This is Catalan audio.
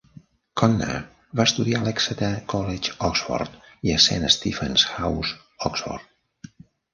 Conner va estudiar a l'Exeter College, Oxford i a Saint Stephen's House, Oxford.